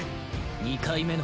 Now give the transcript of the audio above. ２回目の。